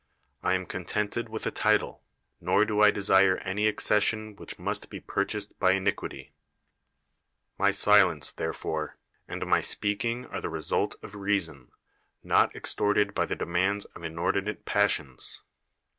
I am contented with a title; nor do I desire any accession which must be purchased by inicpiity. My silence, there 224 ^SCHINES fore, and my speaking are t]ie result of reason, not extorted by the demands of inordinate pas sions.